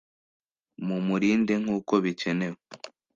mumurinde nkuko bikenewe,